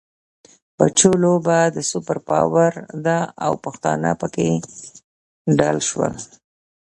بچو! لوبه د سوپر پاور ده او پښتانه پکې دل شول.